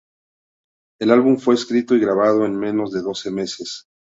El álbum fue escrito y grabado en menos de doce meses.